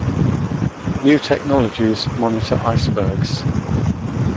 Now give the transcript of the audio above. New technologies monitor icebergs.